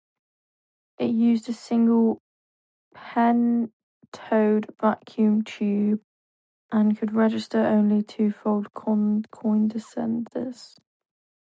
It used a single pentode vacuum tube and could register only twofold coincidences.